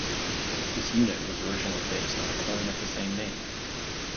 This unit was originally based on a coin of the same name.